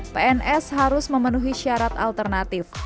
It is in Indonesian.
pns harus memenuhi syarat alternatif